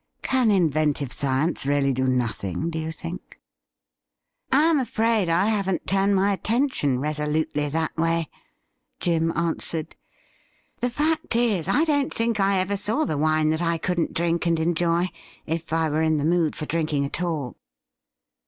Can inventive science really do nothing, do you think .'''' I am afraid I haven't turned my attention resolutely that way,' Jim answered. 'The fact is, I don't think I ever saw the wine that I couldn't drink and enjoy, if I were in the mood for drinking at all.'